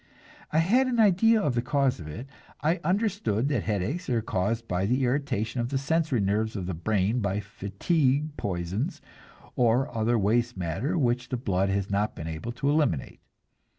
I had an idea of the cause of it; I understood that headaches are caused by the irritation of the sensory nerves of the brain by fatigue poisons, or other waste matter which the blood has not been able to eliminate.